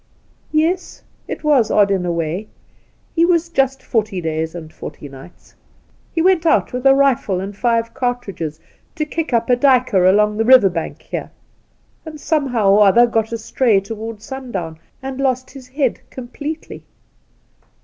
' Yes, it was odd in a way. He was just "forty days and forty nights." He went out with a rifle and five cartridges to kick up a duiker along the river bank here, and somehow or other got astray towards sundown, and lost his head completely.